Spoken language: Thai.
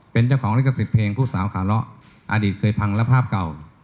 เป็นเจ้าของลิขสิทธิ์เพลงผู้สาวขาเลาะอดีตเคยพังและภาพเก่า